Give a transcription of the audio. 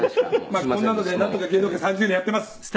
「まあこんなのでなんとか芸能界３０年やっています」